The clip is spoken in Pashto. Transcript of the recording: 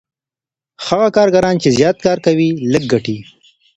هغه کارګران چي زیات کار کوي لږ ګټي.